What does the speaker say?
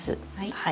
はい。